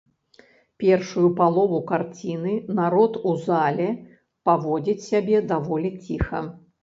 Першую палову карціны народ у зале паводзіць сябе даволі ціха.